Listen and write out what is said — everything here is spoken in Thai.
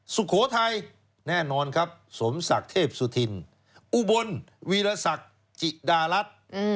สุโขทัยแน่นอนครับสมศักดิ์เทพสุธินอุบลวีรศักดิ์จิดารัฐ